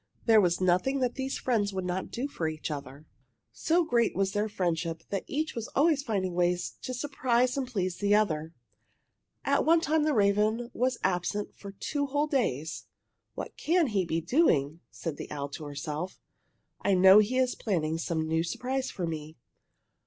There was nothing that these friends would not do for each other. So great was their friendship that each was always finding ways to surprise and please the other. At one time the raven was absent for two whole days. "What can he be doing?" said the owl to herself. "I know he is planning some new surprise for me."